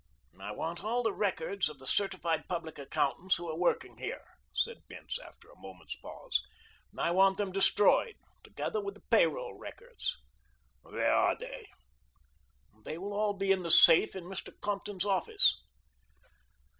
"I want all the records of the certified public accountants who are working here," said Bince after a moment's pause. "I want them destroyed, together with the pay roll records." "Where are they?" "They will all be in the safe in Mr. Compton's office."